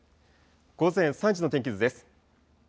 午前３時の天気図です。